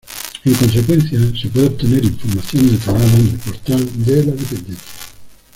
En consecuencia, se puede obtener información detallada en el Portal de la Dependencia.